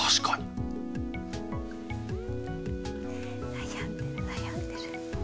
悩んでる悩んでる。